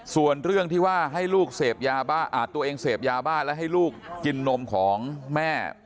ส่วนเรื่องที่ว่าให้ลูกเสพยาบ้าตัวเองเสพยาบ้าและให้ลูกกินนมของแม่